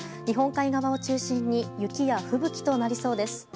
日本海側を中心に雪や吹雪となりそうです。